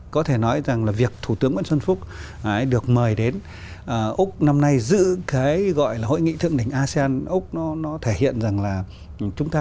có thể nói rằng là việc thủ tướng nguyễn xuân phúc được mời đến úc năm nay giữ cái gọi là hội nghị thượng đỉnh asean úc nó thể hiện rằng là chúng ta